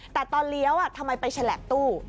แต่ตอนเลี้ยวทำไมไปแฉลับตู้